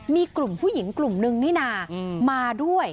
มีกลุ่มผู้หญิงกลุ่มนึงนี่นามาด้วย